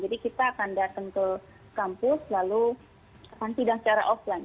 jadi kita akan datang ke kampus lalu akan sidang secara offline